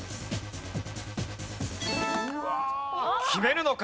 決めるのか？